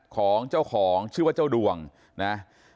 ของเจ้าของชื่อว่าเจ้าดวงนะ